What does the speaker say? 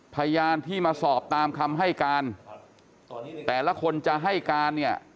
พยานที่มาสอบตามคำให้การแต่ละคนจะให้การเนี่ย